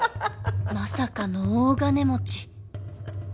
まさかの大金持ち